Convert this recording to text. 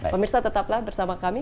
pak mirsa tetaplah bersama kami